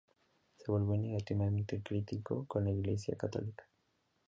Se volvió negativamente crítico con la Iglesia Católica.